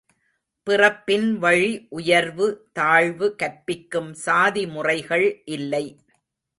பிறப்பின் வழி உயர்வு தாழ்வு கற்பிக்கும் சாதி முறைகள் இல்லை.